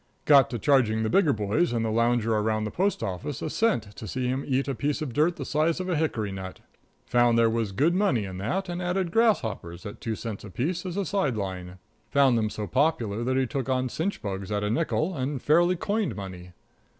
Got to charging the bigger boys and the lounger around the post office a cent to see him eat a piece of dirt the size of a hickory nut. Found there was good money in that, and added grasshoppers, at two cents apiece, as a side line. Found them so popular that he took on chinch bugs at a nickel, and fairly coined money.